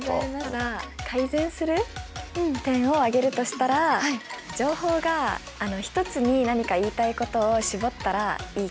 ただ改善する点を挙げるとしたら情報がひとつに何か言いたいことを絞ったらいいかなって思いました。